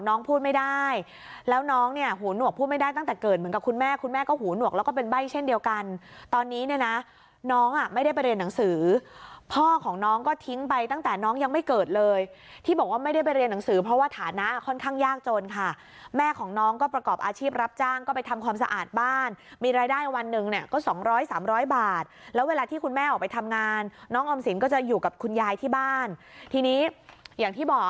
น้องอ่ะไม่ได้ไปเรียนหนังสือพ่อของน้องก็ทิ้งไปตั้งแต่น้องยังไม่เกิดเลยที่บอกว่าไม่ได้ไปเรียนหนังสือเพราะว่าฐานะค่อนข้างยากจนค่ะแม่ของน้องก็ประกอบอาชีพรับจ้างก็ไปทำความสะอาดบ้านมีรายได้วันหนึ่งเนี้ยก็สองร้อยสามร้อยบาทแล้วเวลาที่คุณแม่ออกไปทำงานน้องออมสินก็จะอยู่กับคุณยาย